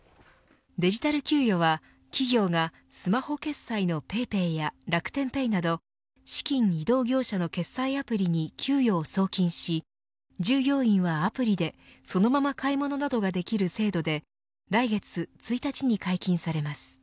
デジタル給与は企業がスマホ決済のＰａｙＰａｙや楽天ペイなど資金移動業者の決済アプリに給与を送金し従業員はアプリでそのまま買い物などができる制度で来月１日に解禁されます。